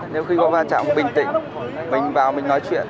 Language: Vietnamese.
nếu khi có va chạm bình tĩnh mình vào mình nói chuyện